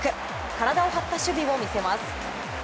体を張った守備を見せます。